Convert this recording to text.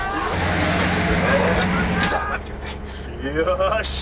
よし！